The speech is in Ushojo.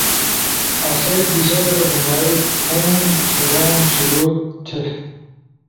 آسئی دیشا در موبائل فون کوروم شروع تھئی۔